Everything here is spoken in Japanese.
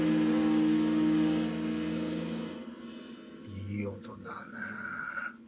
いい音だな。